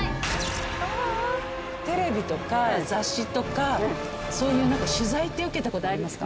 テレビとか雑誌とかそういう取材って受けた事ありますか？